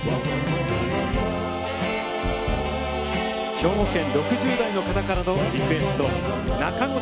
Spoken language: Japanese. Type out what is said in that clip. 兵庫県６０代の方からのリクエスト。